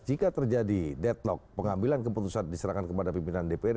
jika terjadi deadlock pengambilan keputusan diserahkan kepada pimpinan dpr